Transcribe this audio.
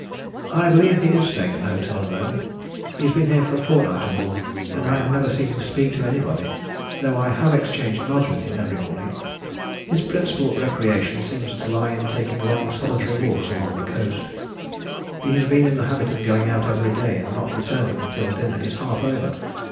"I believe he is staying at the hotel alone. He has been here for a fortnight or more, and I have never seen him speak to anybody, though I have exchanged nods with him every morning. His principal recreation seems to lie in taking long solitary walks along the coast. He has been in the habit of going out every day, and not returning until dinner is half over.